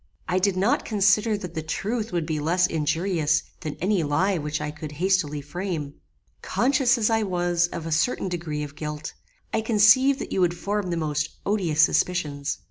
I did not consider that the truth would be less injurious than any lie which I could hastily frame. Conscious as I was of a certain degree of guilt, I conceived that you would form the most odious suspicions.